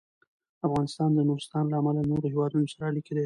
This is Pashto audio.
افغانستان د نورستان له امله له نورو هېوادونو سره اړیکې لري.